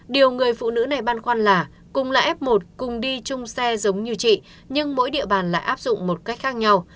điều người phụ nữ này băn khoăn là cùng là f một cùng đi chung xe giống như chị nhưng mỗi địa bàn lại áp dụng một cách khác nhau